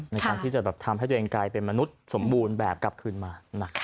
ในการที่จะแบบทำให้ตัวเองกลายเป็นมนุษย์สมบูรณ์แบบกลับคืนมา